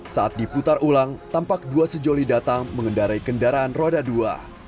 saat diputar ulang tampak dua sejoli datang mengendarai kendaraan roda dua